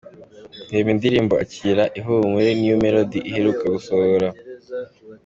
Reba indirimbo ’Akira Ihumure’ New Melody iheruka gusohora.